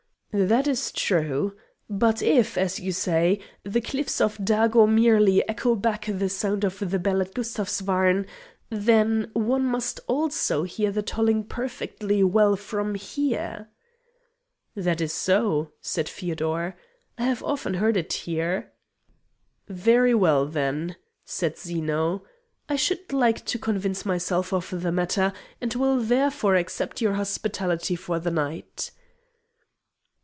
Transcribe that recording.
"That is true. But if, as you say, the cliffs of Dago merely echo back the sound of the bell at Gustavsvarn, then one must also hear the tolling perfectly well from here." "That is so," said Feodor; "I have often heard it here." "Very well, then," said Zeno; "I should like to convince myself of the matter, and will therefore accept your hospitality for the night."